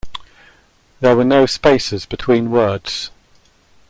There were no spaces between words.